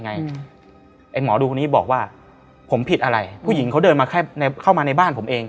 ไอ้หมอดูคนนี้บอกว่าผมผิดอะไรผู้หญิงเขาเดินมาแค่เข้ามาในบ้านผมเอง